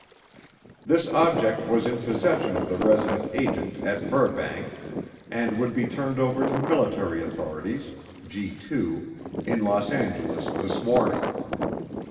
This object was in possession of the resident agent at Burbank and would be turned over to military authorities (G 2) in Los Angeles this morning.